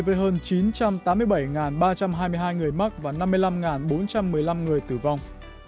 với hơn chín trăm tám mươi bảy ba trăm hai mươi hai người mắc và năm mươi năm bốn trăm một mươi năm người tử vong